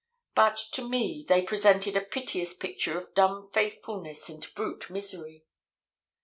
But to me they presented a piteous picture of dumb faithfulness and brute misery.